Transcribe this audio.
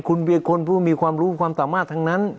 คุณเปลี่ยนคนไม่มีความรู้ความต่อมาต่างทั้งนั้น